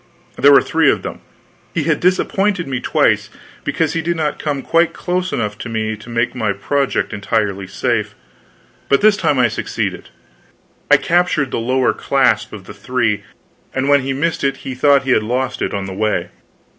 There were three of them. He had disappointed me twice, because he did not come quite close enough to me to make my project entirely safe; but this time I succeeded; I captured the lower clasp of the three, and when he missed it he thought he had lost it on the way.